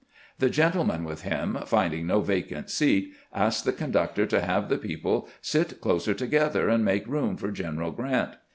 The gentleman with him, finding no vacant seat, asked the conductor to have the people sit closer together and make room for G eneral 'Grant.